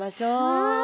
はい。